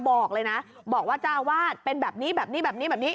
บอกเลยนะบอกว่าจ้าวาทส์เป็นแบบนี้